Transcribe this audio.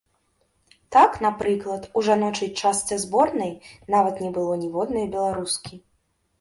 Так, напрыклад, у жаночай частцы зборнай нават не было ніводнай беларускі.